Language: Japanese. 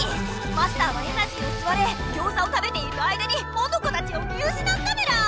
マスターはエナジーをすわれギョウザを食べている間にモノコたちを見うしなったメラ！